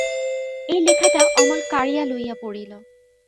এই লেখাটা অমল কাড়িয়া লইয়া পড়িল।